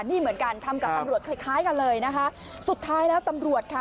นี่เหมือนกันทำกับตำรวจคล้ายคล้ายกันเลยนะคะสุดท้ายแล้วตำรวจค่ะ